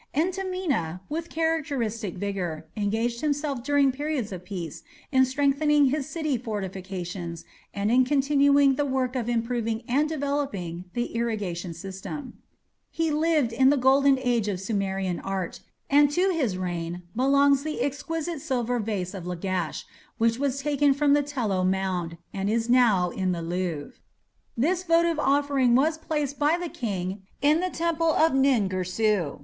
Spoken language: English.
Entemena, with characteristic vigour, engaged himself during periods of peace in strengthening his city fortifications and in continuing the work of improving and developing the irrigation system. He lived in the golden age of Sumerian art, and to his reign belongs the exquisite silver vase of Lagash, which was taken from the Tello mound, and is now in the Louvre. This votive offering was placed by the king in the temple of Nin Girsu.